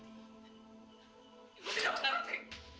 ibu tidak mengerti